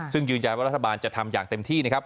ซึ่งยืนยันว่ารัฐบาลจะทำอย่างเต็มที่นะครับ